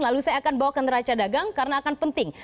lalu saya akan bawa ke neraca dagang karena akan penting